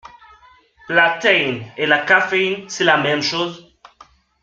La théine et la caféine, c'est la même chose?